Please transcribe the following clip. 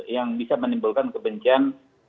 yang bisa menimbulkan kebencian